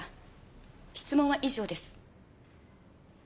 質問は以上です。